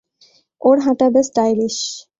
ওর হাঁটা বেশ স্টাইলিশ।